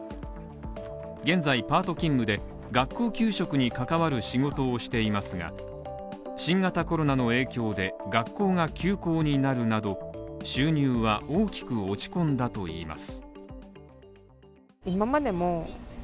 現在パート勤務で、学校給食に関わる仕事をしていますが、新型コロナの影響で学校が休校になるなど収入は大きく落ち込んだといいます。